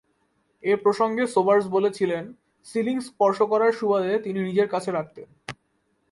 এ প্রসঙ্গে সোবার্স বলেছিলেন, সিলিং স্পর্শ করার সুবাদে তিনি নিজের কাছে রাখতেন।